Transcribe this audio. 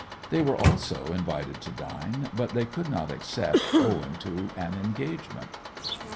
They were also invited to dine, but they could not accept owing to an engagement.